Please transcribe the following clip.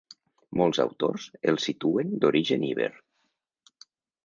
Molts autors els situen d'origen iber.